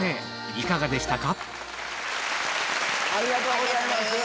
いかがでしたか？